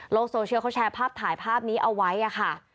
โซเชียลเขาแชร์ภาพถ่ายภาพนี้เอาไว้ค่ะ